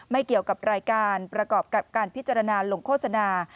ไม่เกี่ยวกับรายการประกอบกับการพิจารณาลงโฆษณา